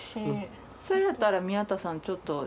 それやったら宮田さんちょっと。